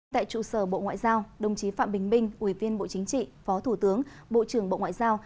tại trụ sở bộ ngoại giao đồng chí phạm bình minh ủy viên bộ chính trị phó thủ tướng bộ trưởng bộ ngoại giao